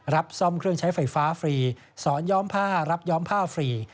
ซ่อมเครื่องใช้ไฟฟ้าฟรีสอนย้อมผ้ารับย้อมผ้าฟรี